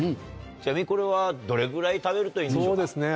ちなみにこれはどれぐらい食べるといいんでしょうか？